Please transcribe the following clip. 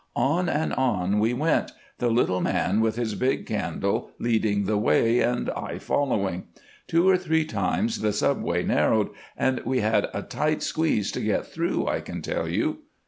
On and on we went, the little man with his big candle leading the way, and I following. Two or three times the sub way narrowed, and we had a tight squeeze to get through, I can tell you."